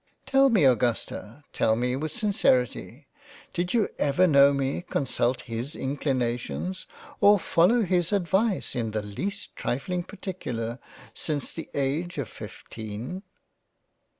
Tell me Augusta tell me with sincerity ; did you ever kno; me consult his inclinations or follow his Advice in the leas trifling Particular since the age of fifteen